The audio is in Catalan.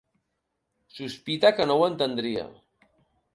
Sospita que no ho entendria.